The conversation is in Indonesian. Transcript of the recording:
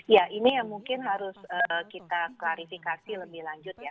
ya ini yang mungkin harus kita klarifikasi lebih lanjut ya